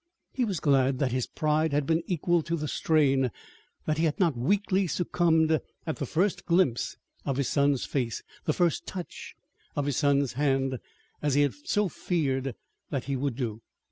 He was glad that his pride had been equal to the strain; that he had not weakly succumbed at the first glimpse of his son's face, the first touch of his son's hand, as he had so feared that he would do.